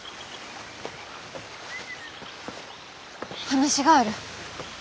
話がある。